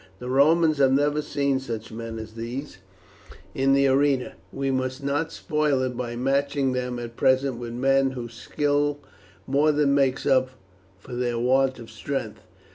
The Romans have never seen such men as these in the arena. We must not spoil it by matching them at present with men whose skill more than makes up for their want of strength.